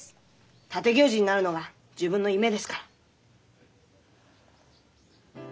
立行司になるのが自分の夢ですから。